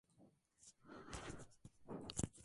Duncan tiene visiones de este mal acto e investiga.